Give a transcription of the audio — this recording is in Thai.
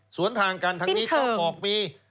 สวนทางกันทางนี้เจ้าบอกมี